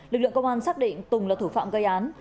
lực lượng công an xác định tùng là thủ phạm gây án